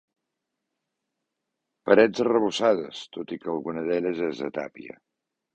Parets arrebossades, tot i que alguna d'elles és de tàpia.